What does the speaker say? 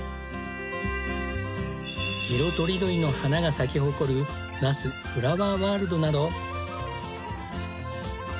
色とりどりの花が咲き誇る那須フラワーワールドなど。